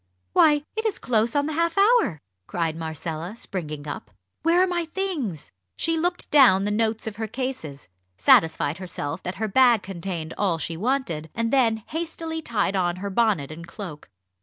"Why, it is close on the half hour!" cried Marcella, springing up. "Where are my things?" She looked down the notes of her cases, satisfied herself that her bag contained all she wanted, and then hastily tied on her bonnet and cloak.